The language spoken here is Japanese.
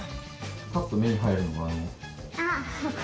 パッと目に入るのがあの。